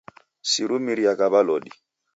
Sirumiriagha w'alodi.